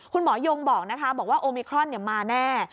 คุณหมอยงบอกนะคะบอกว่าโอมิครอนมาแน่